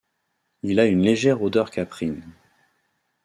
Il a une légère odeur caprine.